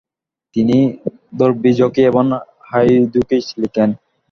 তিনি দব্রিজকি এবং হাইদুকিজ লিখেন।